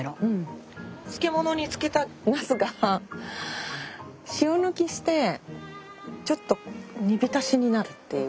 漬物に漬けたなすが塩抜きしてちょっと煮浸しになるっていう。